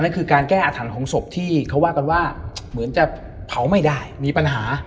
คือการแก้อาถรรพ์ของศพที่เขาว่ากันว่าเหมือนจะเผาไม่ได้มีปัญหา